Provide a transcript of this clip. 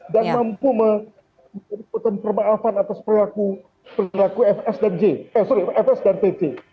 dan mampu mempermaafkan atas perilaku fs dan pc